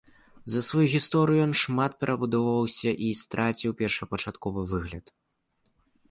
За сваю гісторыю ён шмат перабудоўваўся і страціў першапачатковы выгляд.